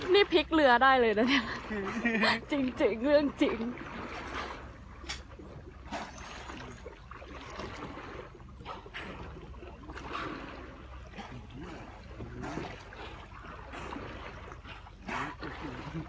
นี่พลิกเรือได้เลยนะเนี่ยจริงเรื่องจริง